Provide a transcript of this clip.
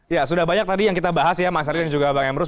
ya sudah banyak tadi yang kita bahas ya mas ardi dan juga bang emrus